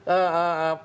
masih belum ada keputusan